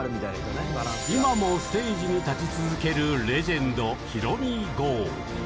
今もステージに立ち続けるレジェンド、ひろみ郷。